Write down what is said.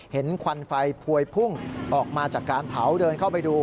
ควันไฟพวยพุ่งออกมาจากการเผาเดินเข้าไปดู